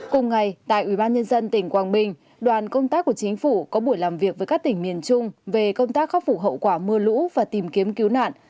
cùng ngày tại ủy ban nhân dân tỉnh quảng bình đoàn công tác của chính phủ có buổi làm việc với các tỉnh miền trung về công tác khắc phục hậu quả mưa lũ và tìm kiếm cứu nạn